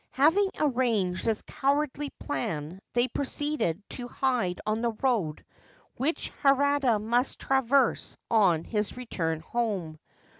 Having arranged this cowardly plan, they proceeded to hide on the road which Harada must traverse on his return home.